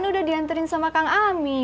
kan udah diantarin sama kang amin